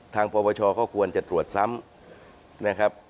ทางประชาที่ต้องก็ควรจะตรวจซ้ำ